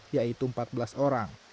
yaitu empat belas orang